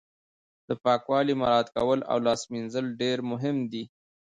د پاکوالي مراعت کول او لاس مینځل ډیر مهم دي